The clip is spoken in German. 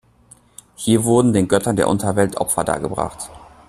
Hier wurden den Göttern der Unterwelt Opfer dargebracht.